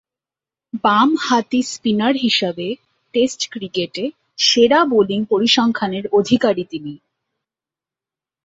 বামহাতি স্পিনার হিসেবে টেস্ট ক্রিকেটে সেরা বোলিং পরিসংখ্যানের অধিকারী তিনি।